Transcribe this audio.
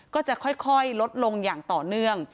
ก็จะค่อยลดลงอย่างต่อเนื่อง